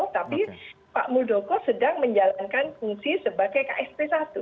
tapi pak muldoko sedang menjalankan fungsi sebagai ksp satu